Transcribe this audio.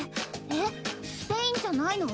えっスペインじゃないの？